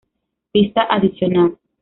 Pista adicional